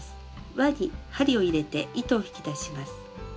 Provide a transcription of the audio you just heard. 輪に針を入れて糸を引き出します。